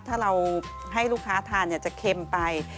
ถ้าเราให้ลูกค้าทานจะเค็มไป